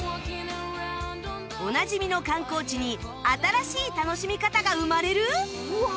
おなじみの観光地に新しい楽しみ方が生まれる！？